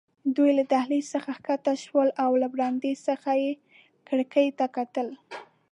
دوی له دهلېز څخه کښته شول او له برنډې څخه یې کړکیو ته کتل.